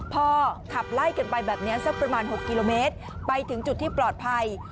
พอขับไล่กันไปแบบนี้สักประมาณ๖กิโลเมตรไปถึงจุดที่ปลอดภัย